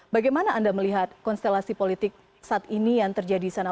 bagaimana anda melihat konstelasi politik saat ini yang terjadi di sana